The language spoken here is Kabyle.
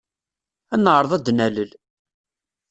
Ad neɛreḍ ad d-nalel.